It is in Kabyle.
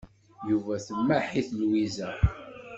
Yuba temmaḥ-it Lwiza.